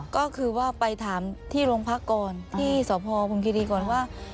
ก็คือว่าไปถามที่โรงพักก่อนที่สพพรมคิรีก่อนว่า